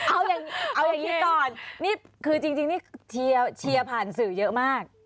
เอาอย่างนี้ก่อนนี่คือจริงนี่เชียร์ผ่านสื่อเยอะมาก